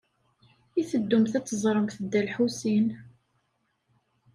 I teddumt ad teẓremt Dda Lḥusin?